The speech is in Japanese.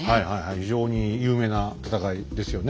非常に有名な戦いですよね。